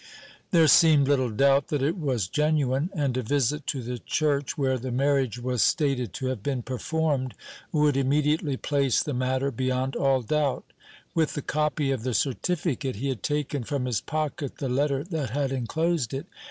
There seemed little doubt that it was genuine; and a visit to the church where the marriage was stated to have been performed would immediately place the matter beyond all doubt. With the copy of the certificate, he had taken from his pocket the letter that had enclosed it.